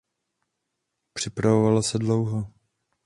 Připravovalo se dlouho.